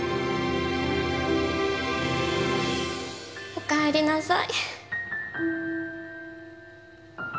おかえりなさい。